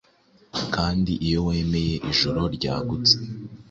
Kandi iyo wemeye ijoro ryagutse,